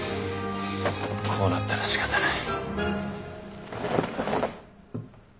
こうなったら仕方ない。